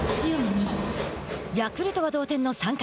ヤクルトは同点の３回。